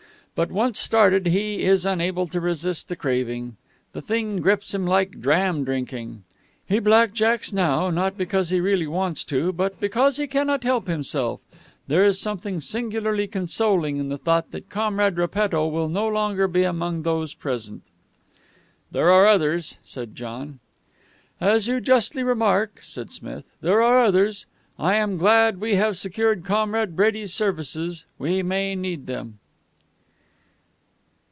But, once started, he is unable to resist the craving. The thing grips him like dram drinking. He black jacks now not because he really wants to, but because he cannot help himself. There's something singularly consoling in the thought that Comrade Repetto will no longer be among those present." "There are others," said John. "As you justly remark," said Smith, "there are others. I am glad we have secured Comrade Brady's services. We may need them."